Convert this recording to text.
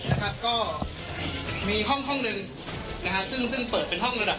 นะครับก็มีห้องห้องหนึ่งนะฮะซึ่งซึ่งเปิดเป็นห้องระดับ